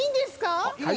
はい。